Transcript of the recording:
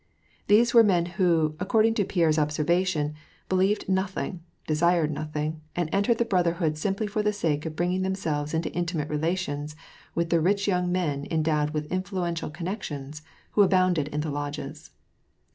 These were men who, according to Pierre's observation, believed nothing, desired nothing, and entered the Brotherhood simply for the sake of bringing them selves into intimate relations with the rich young men endowed with influential connections, who abounded in the Lodges.